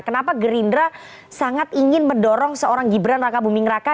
kenapa gerindra sangat ingin mendorong seorang gibran raka buming raka